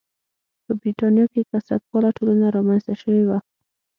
په برېټانیا کې کثرت پاله ټولنه رامنځته شوې وه.